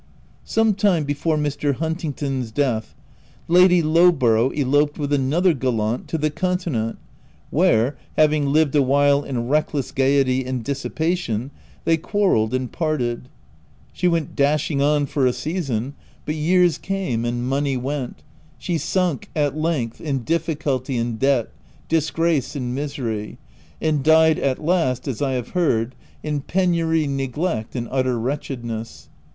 Sometime before Mr. Huntingdon's death, Lady Lowborough eloped with another gallant, to the continent, where, having lived awhile in reckless gaiety and dissipation, they quarrelled and parted. She went dashing on for a season, OP WILDFELL HALL. 269 but years came and money went : she sunk, at length, in difficulty and debt, disgrace and misery; and died at last, as I have heard, in penury, neglect, and utter wretchedness.